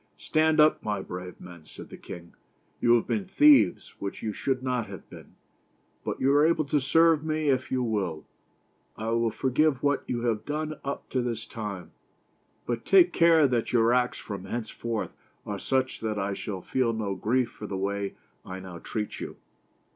"Stand up, my brave men," said the king. "You have been thieves, which you should not have been, but you are able to serve me if you will. I will forgive what you have done up to this time, but take care that your acts from hence forth are such that I shall feel no grief for the way I now treat you."